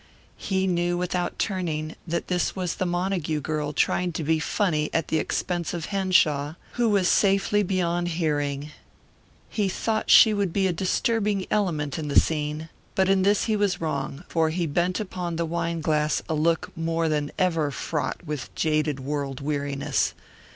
He knew without turning that this was the Montague girl trying to be funny at the expense of Henshaw who was safely beyond hearing. He thought she would be a disturbing element in the scene, but in this he was wrong, for he bent upon the wine glass a look more than ever fraught with jaded world weariness.